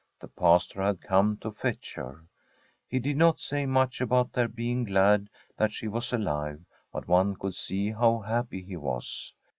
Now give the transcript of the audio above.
The Pastor had come to fetch her. He did not say much about their being glad that she was alive, but one could see how happy he was.